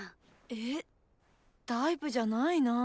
ええタイプじゃないなあ。